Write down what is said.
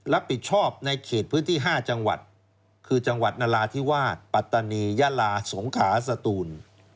รับผิดชอบในเขตพื้นที่๕จังหวัดคือจังหวัดนราธิวาสปัตตานียาลาสงขาสตูน